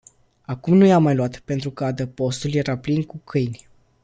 Acum nu i-am mai luat, pentru că adăpostul era plin cu câini.